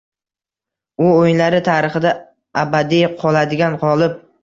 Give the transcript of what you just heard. U o‘yinlari tarixida abadiy qoladigan g‘olib.